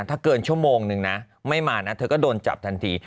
ถ้าเกินชั่วโมงนึงนะไม่มานะเธอก็โดนจับทันที